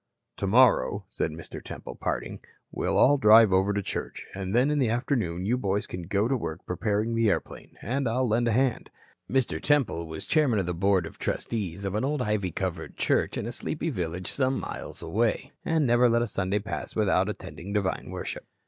"Tomorrow," said Mr. Temple in parting, "we'll all drive over to church, and then in the afternoon you boys can go to work preparing the airplane, and I'll lend a hand." Mr. Temple was chairman of the Board of Trustees of an old ivy covered church in a sleepy village some miles away, and never let Sunday pass without attending divine worship.